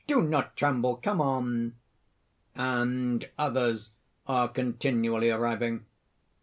Do not tremble! come on." (_And others are continually arriving.